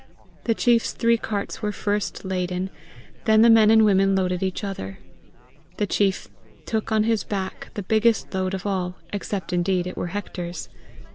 The chief's three carts were first laden; then the men and women loaded each other. The chief took on his hack the biggest load of all, except indeed it were Hector's.